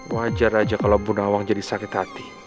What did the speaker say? wajar aja kalau bunawang jadi sakit hati